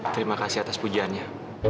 terima kasih atas pujaannya